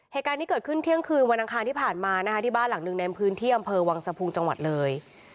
เหตุการณ์นี้เกิดขึ้นเที่ยงคืนวันอังคารที่ผ่านมานะคะที่บ้านหลังหนึ่งในพื้นที่อำเภอวังสะพุงจังหวัดเลย